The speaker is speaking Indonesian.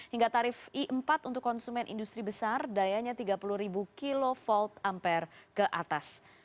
hingga tarif i empat untuk konsumen industri besar dayanya tiga puluh kv ampere ke atas